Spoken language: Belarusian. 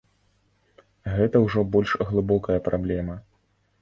Гэта ўжо больш глыбокая праблема.